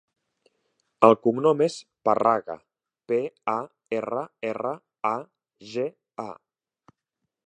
El cognom és Parraga: pe, a, erra, erra, a, ge, a.